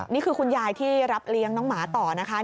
คุณยายที่รับเลี้ยงน้องหมาต่อนะคะ